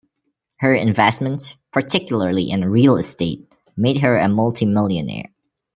Her investments, particularly in real estate, made her a multi-millionaire.